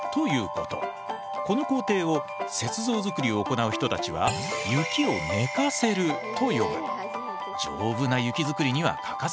この工程を雪像造りを行う人たちは雪を寝かせると呼び丈夫な雪作りには欠かせない。